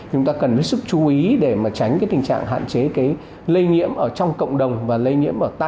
chúng ta cần lấy sức chú ý để tránh tình trạng hạn chế lây nhiễm ở trong cộng đồng và lây nhiễm